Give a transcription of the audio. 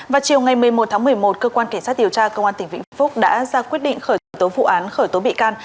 vào chiều ngày một mươi một tháng một mươi một cơ quan cảnh sát điều tra công an tỉnh vĩnh phúc đã ra quyết định khởi tố vụ án khởi tố bị can